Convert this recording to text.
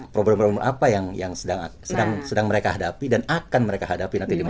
problem problem apa yang sedang mereka hadapi dan akan mereka hadapi nanti di masa depan